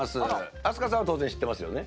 明日香さん、当然知ってますよね。